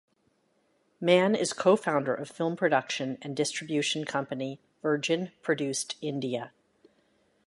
Mann is co-founder of film production and distribution company Virgin Produced India.